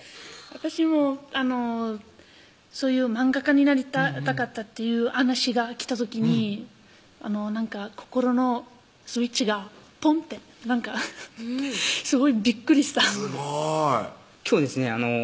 私もそういう「漫画家になりたかった」っていう話が来た時になんか心のスイッチがポンってなんかすごいびっくりしたすごい今日ですね